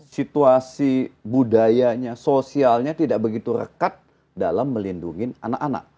situasi budayanya sosialnya tidak begitu rekat dalam melindungi anak anak